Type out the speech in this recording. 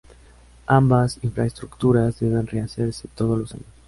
Ambas infraestructuras deben rehacerse todos los años.